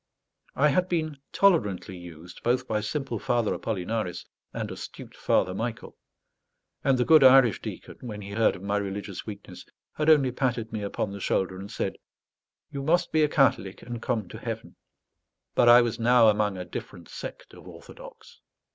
I had been tolerantly used both by simple Father Apollinaris and astute Father Michael; and the good Irish deacon, when he heard of my religious weakness, had only patted me upon the shoulder and said, "You must be a Catholic and come to heaven." But I was now among a different sect of orthodox.